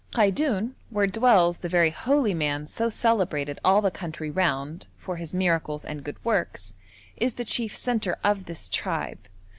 Kaidoun, where dwells the very holy man so celebrated all the country round for his miracles and good works, is the chief centre of this tribe.